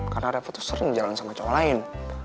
karena reva tuh sering jalan sama cowok lain